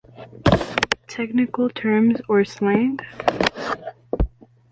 Technical terms or slang?